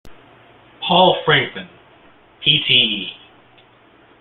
Paul Franklin, Pte.